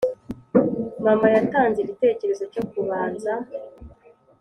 Mama yatanze igitekerezo cyo kubanza